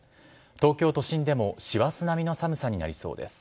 東京都心でも師走並みの寒さになりそうです。